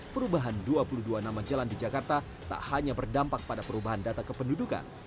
perubahan dua puluh dua nama jalan di jakarta tak hanya berdampak pada perubahan data kependudukan